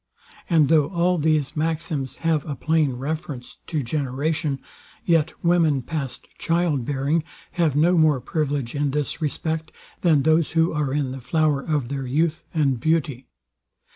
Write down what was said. And though all these maxims have a plain reference to generation, yet women past child bearing have no more privilege in this respect, than those who are in the flower of their youth and beauty.